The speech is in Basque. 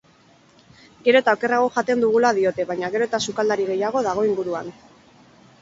Gero eta okerrago jaten dugula diote baina gero eta sukaldari gehiago dago inguruan.